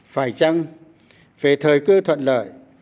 phải chăng về thời cư thuận lợi